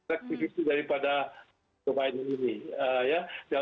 aktivis daripada joe biden ini